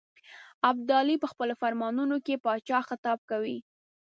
ابدالي په خپلو فرمانونو کې پاچا خطاب کوي.